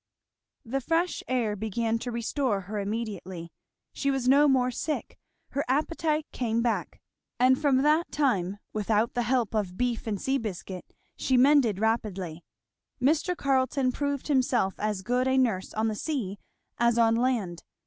The fresh air began to restore her immediately; she was no more sick, her appetite came back; and from that time, without the help of beef and sea biscuit, she mended rapidly. Mr. Carleton proved himself as good a nurse on the sea as on land.